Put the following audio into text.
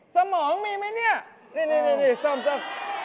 สมองมีไหมเนี่ยนี่ซ่อม